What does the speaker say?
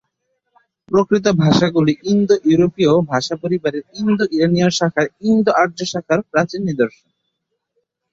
প্রাকৃত ভাষাগুলি ইন্দো-ইউরোপীয় ভাষাপরিবারের ইন্দো-ইরানীয় শাখার ইন্দো-আর্য শাখার প্রাচীন নিদর্শন।